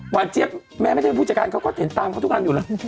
เจี๊ยบแม้ไม่ได้เป็นผู้จัดการเขาก็เห็นตามเขาทุกอันอยู่แล้ว